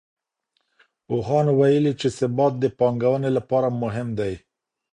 پوهانو ويلي چي ثبات د پانګوني لپاره مهم دی.